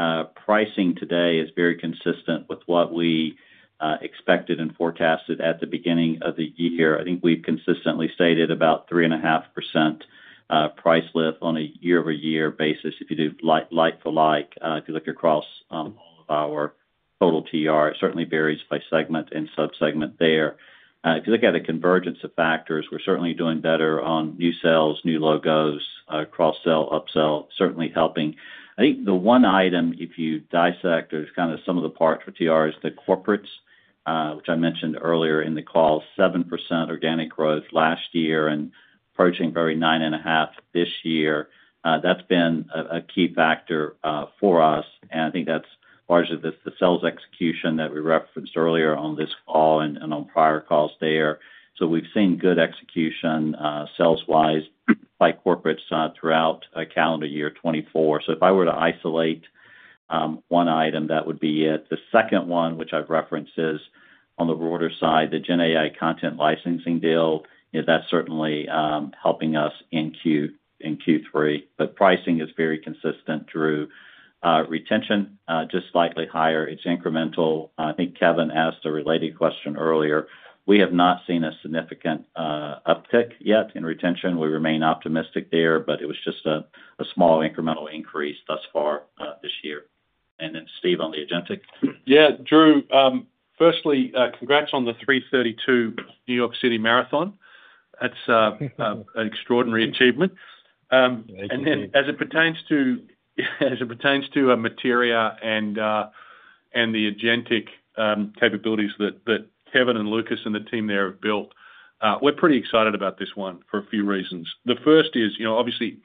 pricing today is very consistent with what we expected and forecasted at the beginning of the year. I think we've consistently stated about 3.5% price lift on a year-over-year basis. If you do like-for-like, if you look across all of our total TR, it certainly varies by segment and subsegment there. If you look at the convergence of factors, we're certainly doing better on new sales, new logos, cross-sell, upsell, certainly helping. I think the one item, if you dissect kind of some of the parts for TR, is the corporates, which I mentioned earlier in the call, 7% organic growth last year and approaching very 9.5% this year. That's been a key factor for us. And I think that's largely the sales execution that we referenced earlier on this call and on prior calls there. So we've seen good execution sales-wise by corporates throughout calendar year 2024. So if I were to isolate one item, that would be it. The second one, which I've referenced, is on the broader side, the GenAI content licensing deal. That's certainly helping us in Q3. But pricing is very consistent, Drew. Retention, just slightly higher. It's incremental. I think Kevin asked a related question earlier. We have not seen a significant uptick yet in retention. We remain optimistic there, but it was just a small incremental increase thus far this year. And then Steve on the Agenticp lp. Yeah, Drew, firstly, congrats on the 3:32 New York City Marathon. That's an extraordinary achievement, and then as it pertains to Materia and the Agenticp lp capabilities that Kevin and Lucas and the team there have built, we're pretty excited about this one for a few reasons. The first is, obviously,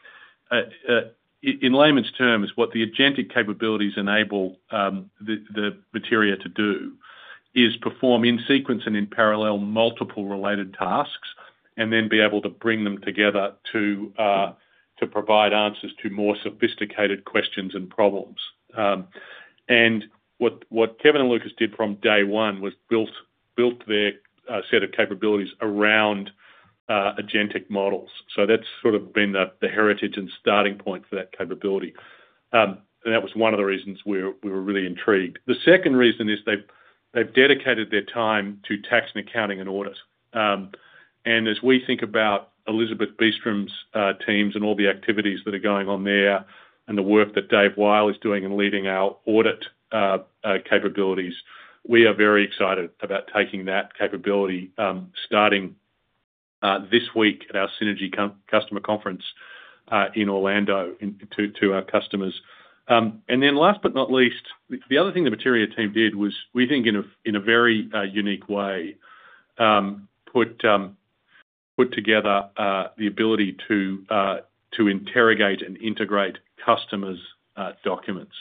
in layman's terms, what the Agenticp lp capabilities enable the Materia to do is perform in sequence and in parallel multiple related tasks and then be able to bring them together to provide answers to more sophisticated questions and problems, and what Kevin and Lucas did from day one was built their set of capabilities around Agenticp lp models. So that's sort of been the heritage and starting point for that capability, and that was one of the reasons we were really intrigued. The second reason is they've dedicated their time to Tax and Accounting and audits. As we think about Elizabeth Beastrom's teams and all the activities that are going on there and the work that Dave Wyle is doing and leading our audit capabilities, we are very excited about taking that capability starting this week at our Synergy customer conference in Orlando to our customers. And then last but not least, the other thing the Materia team did was, we think in a very unique way, put together the ability to interrogate and integrate customers' documents.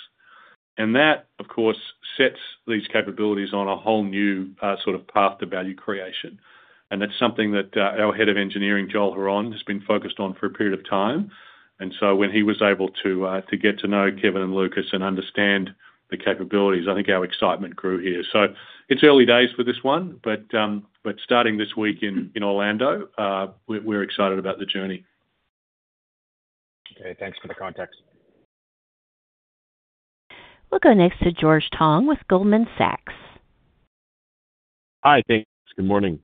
And that, of course, sets these capabilities on a whole new sort of path to value creation. And that's something that our head of engineering, Joel Hron, has been focused on for a period of time. And so when he was able to get to know Kevin and Lucas and understand the capabilities, I think our excitement grew here. It's early days for this one, but starting this week in Orlando, we're excited about the journey. Okay, thanks for the context. We'll go next to George Tong with Goldman Sachs. Hi, thanks. Good morning.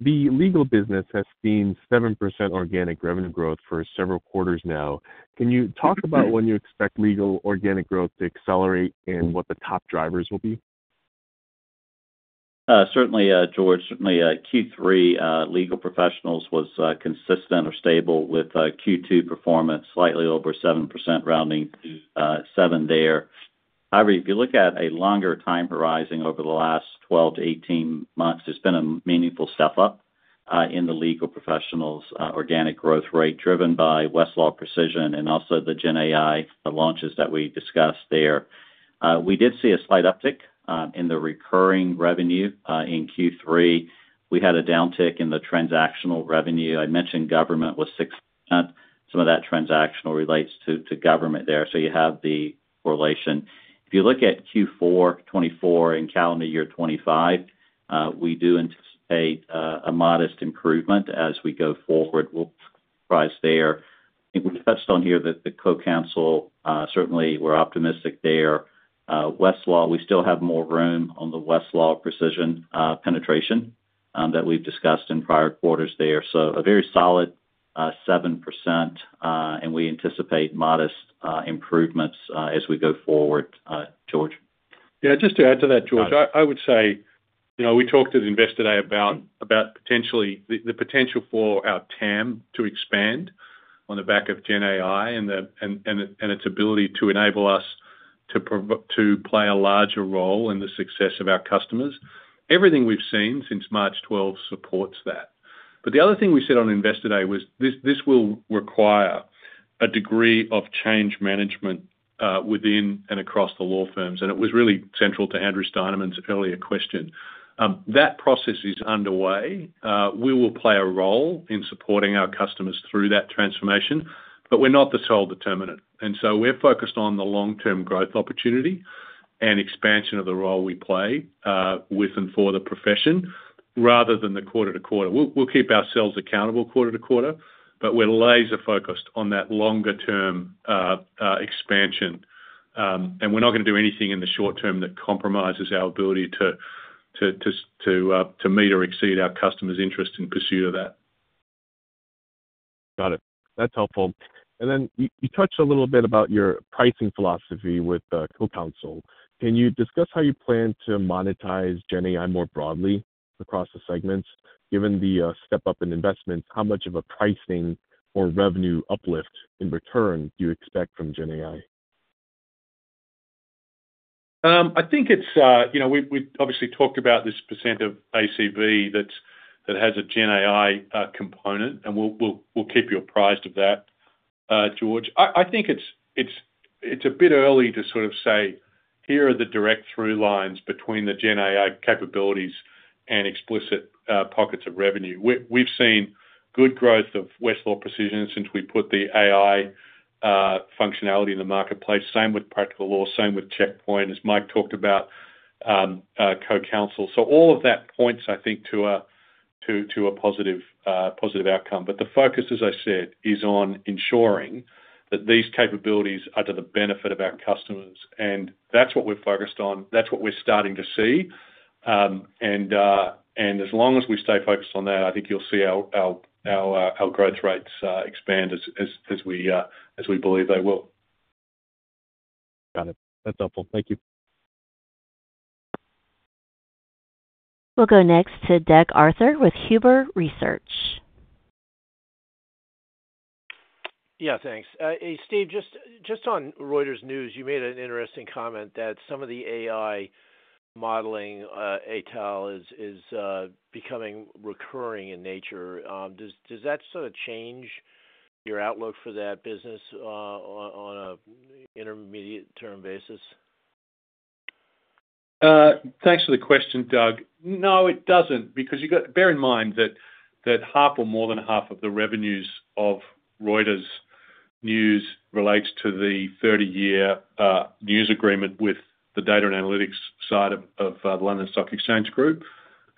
The legal business has seen 7% organic revenue growth for several quarters now. Can you talk about when you expect legal organic growth to accelerate and what the top drivers will be? Certainly, George, certainly Q3 Legal Professionals was consistent or stable with Q2 performance, slightly over 7%, rounding to 7 there. If you look at a longer time horizon over the last 12 to 18 months, there's been a meaningful step up in the Legal Professionals ' organic growth rate driven by Westlaw Precision and also the GenAI launches that we discussed there. We did see a slight uptick in the recurring revenue in Q3. We had a downtick in the transactional revenue. I mentioned government was 6%. Some of that transactional relates to government there. So you have the correlation. If you look at Q4 2024 and calendar year 2025, we do anticipate a modest improvement as we go forward with price there. I think we touched on here that the CoCounsel, certainly we're optimistic there. Westlaw, we still have more room on the Westlaw Precision penetration that we've discussed in prior quarters there, so a very solid 7%, and we anticipate modest improvements as we go forward, George. Yeah, just to add to that, George, I would say we talked to the Investor Day about potentially the potential for our TAM to expand on the back of GenAI and its ability to enable us to play a larger role in the success of our customers. Everything we've seen since March 12 supports that. But the other thing we said on Investor Day was this will require a degree of change management within and across the law firms. And it was really central to Andrew Steinerman's earlier question. That process is underway. We will play a role in supporting our customers through that transformation, but we're not the sole determinant. And so we're focused on the long-term growth opportunity and expansion of the role we play with and for the profession rather than the quarter-to-quarter. We'll keep ourselves accountable quarter-to-quarter, but we're laser-focused on that longer-term expansion. We're not going to do anything in the short term that compromises our ability to meet or exceed our customers' interest in pursuit of that. Got it. That's helpful. And then you touched a little bit about your pricing philosophy with CoCounsel. Can you discuss how you plan to monetize GenAI more broadly across the segments? Given the step-up in investments, how much of a pricing or revenue uplift in return do you expect from GenAI? I think it's we obviously talked about this percent of ACV that has a GenAI component, and we'll keep you apprised of that, George. I think it's a bit early to sort of say, "Here are the direct through lines between the GenAI capabilities and explicit pockets of revenue." We've seen good growth of Westlaw Precision since we put the AI functionality in the marketplace, same with Practical Law, same with Checkpoint, as Mike talked about CoCounsel. So all of that points, I think, to a positive outcome. But the focus, as I said, is on ensuring that these capabilities are to the benefit of our customers. And that's what we're focused on. That's what we're starting to see. And as long as we stay focused on that, I think you'll see our growth rates expand as we believe they will. Got it. That's helpful. Thank you. We'll go next to Doug Arthur with Huber Research. Yeah, thanks. Steve, just on Reuters News, you made an interesting comment that some of the AI monetization at all is becoming recurring in nature. Does that sort of change your outlook for that business on an intermediate-term basis? Thanks for the question, Doug. No, it doesn't. Because bear in mind that half or more than half of the revenues of Reuters News relates to the 30-year news agreement with the data and analytics side of the London Stock Exchange Group.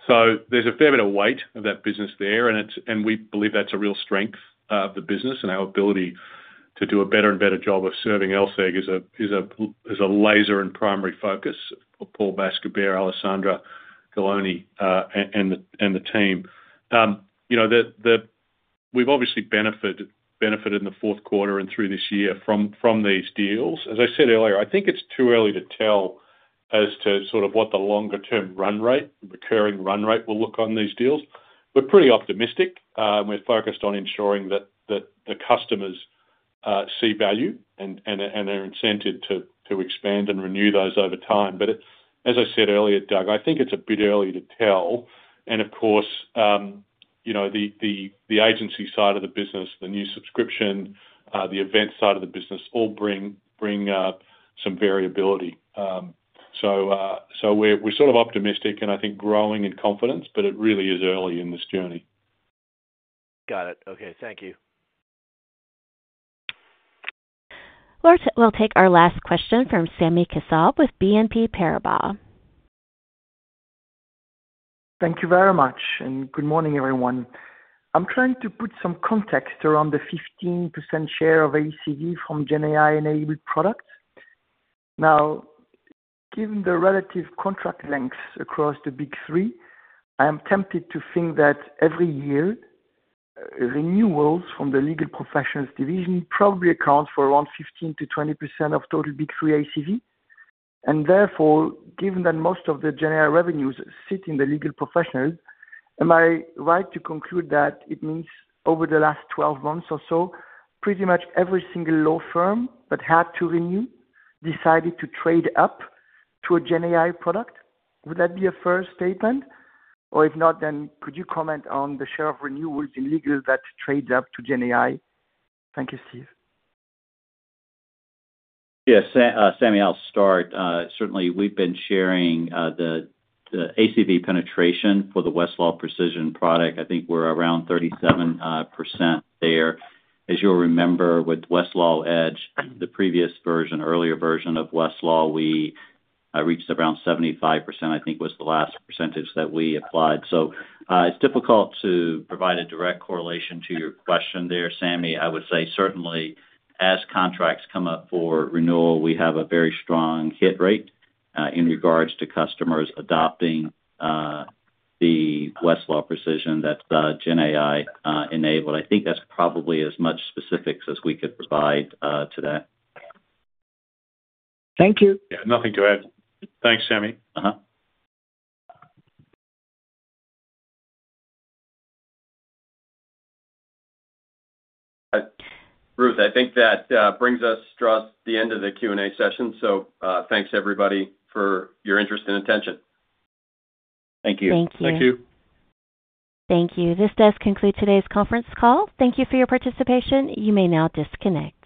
So there's a fair bit of weight of that business there, and we believe that's a real strength of the business and our ability to do a better and better job of serving LSEG is a laser and primary focus of Paul Bascobert, Alessandra Galloni, and the team. We've obviously benefited in the fourth quarter and through this year from these deals. As I said earlier, I think it's too early to tell as to sort of what the longer-term run rate, recurring run rate will look on these deals. We're pretty optimistic. We're focused on ensuring that the customers see value and are incented to expand and renew those over time. But as I said earlier, Doug, I think it's a bit early to tell. And of course, the agency side of the business, the new subscription, the event side of the business all bring some variability. So we're sort of optimistic and I think growing in confidence, but it really is early in this journey. Got it. Okay, thank you. We'll take our last question from Sami Kassab with BNP Paribas. Thank you very much. Good morning, everyone. I'm trying to put some context around the 15% share of ACV from GenAI-enabled products. Now, given the relative contract lengths across the Big Three, I am tempted to think that every year, renewals from the Legal Professionals ' division probably account for around 15%-20% of total Big Three ACV. And therefore, given that most of the GenAI revenues sit in the Legal Professionals, am I right to conclude that it means over the last 12 months or so, pretty much every single law firm that had to renew decided to trade up to a GenAI product? Would that be a fair statement? Or if not, then could you comment on the share of renewals in legal that trades up to GenAI? Thank you, Steve. Yeah, Sammy, I'll start. Certainly, we've been sharing the ACV penetration for the Westlaw Precision product. I think we're around 37% there. As you'll remember, with Westlaw Edge, the previous version, earlier version of Westlaw, we reached around 75%. I think that was the last percentage that we applied. So it's difficult to provide a direct correlation to your question there, Sammy. I would say certainly, as contracts come up for renewal, we have a very strong hit rate in regards to customers adopting the Westlaw Precision that's GenAI-enabled. I think that's probably as much specifics as we could provide today. Thank you. Yeah, nothing to add. Thanks, Sami. Ruth, I think that brings us to the end of the Q&A session. So thanks, everybody, for your interest and attention. Thank you. Thank you. Thank you. Thank you. This does conclude today's conference call. Thank you for your participation. You may now disconnect.